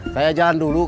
saya jalan dulu